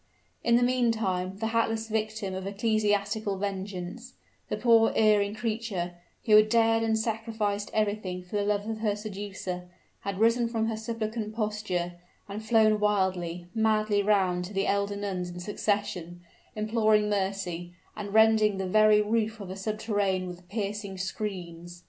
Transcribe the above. In the meantime the helpless victim of ecclesiastical vengeance the poor erring creature, who had dared and sacrificed everything for the love of her seducer had risen from her suppliant posture, and flown wildly madly round to the elder nuns in succession, imploring mercy, and rending the very roof of the subterrane with piercing screams.